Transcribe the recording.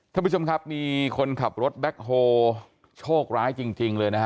ท่านผู้ชมครับมีคนขับรถแบ็คโฮโชคร้ายจริงเลยนะฮะ